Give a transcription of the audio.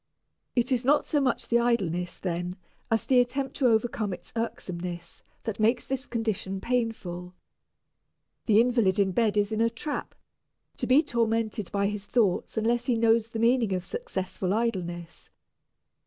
It is not so much the idleness, then, as the attempt to overcome its irksomeness, that makes this condition painful. The invalid in bed is in a trap, to be tormented by his thoughts unless he knows the meaning of successful idleness.